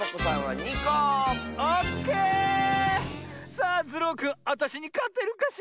さあズルオくんあたしにかてるかしら？